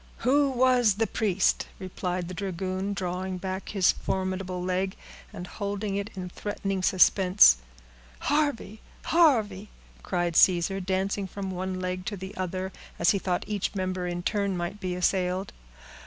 "Who was the priest?" repeated the dragoon, drawing back his formidable leg, and holding it in threatening suspense. "Harvey, Harvey!" cried Caesar, dancing from one leg to the other, as he thought each member in turn might be assailed.